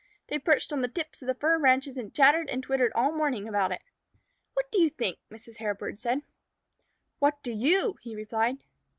They perched on the tips of the fir branches and chattered and twittered all morning about it. "What do you think?" Mrs. Hairbird said. "What do you?" he replied.